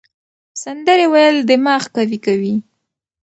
سندرې ویل دماغ قوي کوي.